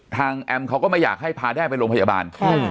แอมเขาก็ไม่อยากให้พาแด้ไปโรงพยาบาล